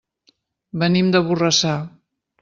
Venim de Borrassà.